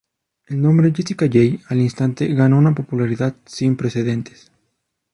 El nombre Jessica Jay al instante ganó una popularidad sin precedentes.